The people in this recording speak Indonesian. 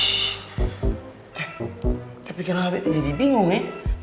eh tapi kenapa beta jadi bingung ya